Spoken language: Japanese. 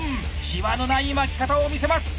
シワのない巻き方を見せます。